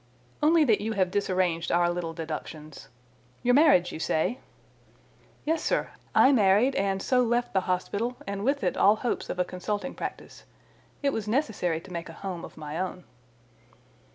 "Only that you have disarranged our little deductions. Your marriage, you say?" "Yes, sir. I married, and so left the hospital, and with it all hopes of a consulting practice. It was necessary to make a home of my own."